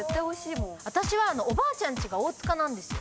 私はおばあちゃんちが大塚なんですよ。